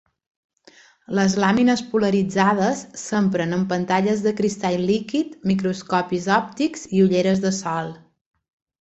Les làmines polaritzades s'empren en pantalles de cristall líquid, microscopis òptics i ulleres de sol.